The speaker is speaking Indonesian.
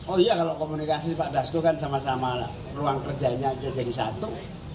oh iya kalau komunikasi pak dasko kan sama sama ruang kerjanya aja jadi satu